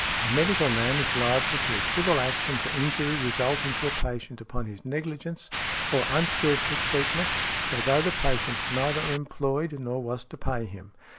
A medical man is liable to a civil action for injury resulting to a patient from his negligence or unskilful treatment, although the patient neither employed nor was to pay him.